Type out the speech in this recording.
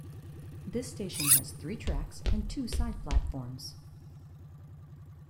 This station has three tracks and two side platforms.